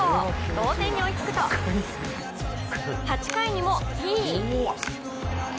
同点に追いつくと８回にもＴ！